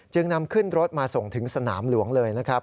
นำขึ้นรถมาส่งถึงสนามหลวงเลยนะครับ